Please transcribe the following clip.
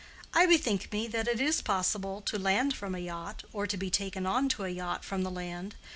I bethink me that it is possible to land from a yacht, or to be taken on to a yacht from the land.